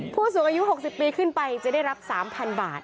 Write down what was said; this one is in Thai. ผู้สูงอายุ๖๐ปีขึ้นไปจะได้รับ๓๐๐๐บาท